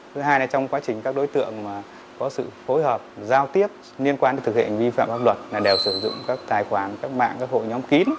thứ hai là trong quá trình các đối tượng có sự phối hợp giao tiếp liên quan đến thực hiện vi phạm pháp luật là đều sử dụng các tài khoản các mạng các hội nhóm kín